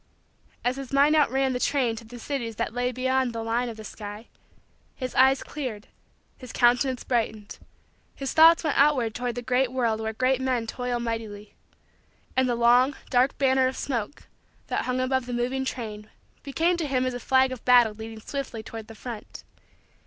Then, as his mind outran the train to the cities that lay beyond the line of the sky, his eyes cleared, his countenance brightened, his thoughts went outward toward the great world where great men toil mightily; and the long, dark, banner of smoke that hung above the moving train became to him as a flag of battle leading swiftly toward the front.